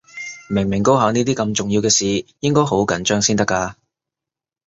明明高考呢啲咁重要嘅事，應該好緊張先得㗎